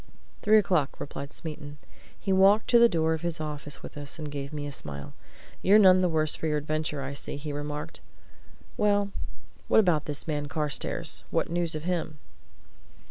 "Three o'clock," replied Smeaton. He walked to the door of his office with us, and he gave me a smile. "You're none the worse for your adventure, I see," he remarked. "Well, what about this man Carstairs what news of him?"